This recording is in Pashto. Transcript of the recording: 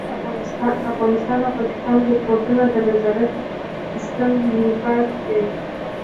افغانستان او پاکستان حکومتونه د نظارت سیستم نافذ کړي.